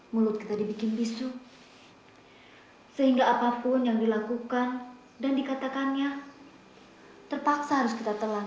mulut kita dibikin bisu sehingga apapun yang dilakukan dan dikatakannya terpaksa harus kita telan